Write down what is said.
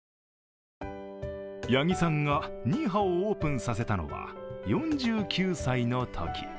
八木さんがニーハオをオープンさせたのは４９歳のとき。